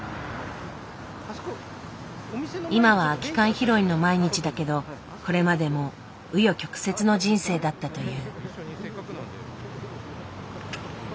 今は空き缶拾いの毎日だけどこれまでも紆余曲折の人生だったという。